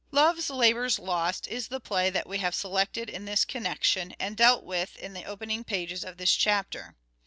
" Love's Labour's Lost " is the play that we have selected in this connection, and dealt with in the opening pages of this chapter.